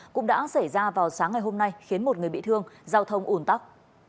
cũng đã xảy ra vào sáng ngày hôm nay khiến một người bị thương giao thông ủn tắc